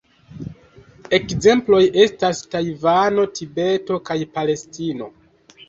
Ekzemploj estas Tajvano, Tibeto kaj Palestino.